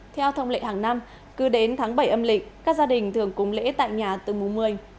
theo thông lệ hàng năm cứ đến tháng bảy âm lịch các gia đình thường cùng lễ tại nhà từ mùa một mươi